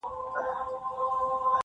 o دا سودا مي ومنه که ښه کوې,